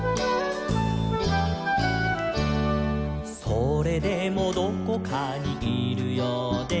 「それでもどこかにいるようで」